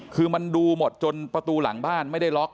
คือมันดูหมดจนประตูหลังบ้านไม่ได้ล็อก